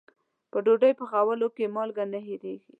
په ډوډۍ پخولو کې مالګه نه هېریږي.